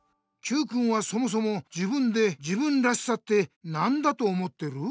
Ｑくんはそもそも自分で「自分らしさ」って何だと思ってる？